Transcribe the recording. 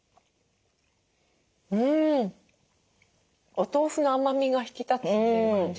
お豆腐の甘みが引き立つって感じ。